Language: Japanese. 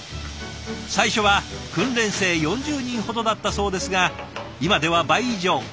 最初は訓練生４０人ほどだったそうですが今では倍以上。